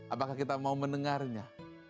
apakah kita mau mendengarnya